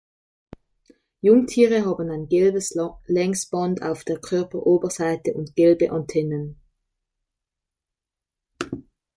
Jungtiere haben ein gelbes Längsband auf der Körperoberseite und gelbe Antennen.